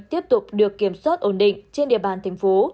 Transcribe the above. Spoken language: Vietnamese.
tiếp tục được kiểm soát ổn định trên địa bàn thành phố